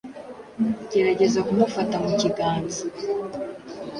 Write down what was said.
Gerageza kumufata mu kiganza